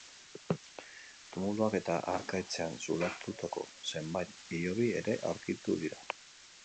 Tumuluak eta harkaitzean zulatutako zenbait hilobi ere aurkitu dira.